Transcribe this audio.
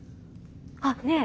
あっねえ！